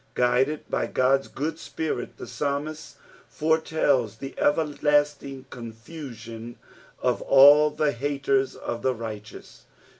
Guided by God's good spirit the psalmist foretells the everlasting confusion of all the haters of the righteous.